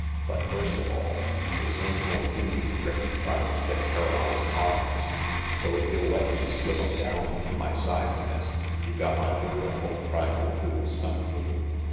"But first of all, this ain't no Hindoo trick trying to get para lyzed arms, so if you'll let me slip 'em down to my sides, Miss, you got my word I won't try no fool stunt with you.